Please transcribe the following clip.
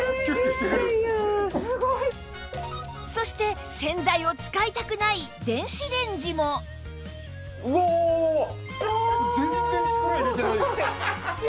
そして洗剤を使いたくない電子レンジもうわうわうわっ！